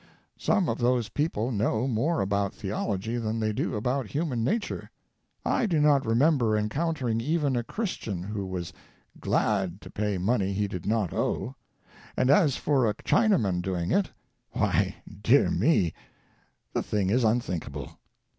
Some of those people know more about theology than they do about human nature. I do not remember encountering even a Christian who was "glad" to pay money he did not owe; and as for a Chinaman doing it, why, dear me, the thing is unthinkable.